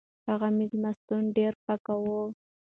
هغه مېلمستون ډېر پاک و.